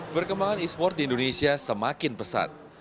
perkembangan e sport di indonesia semakin pesat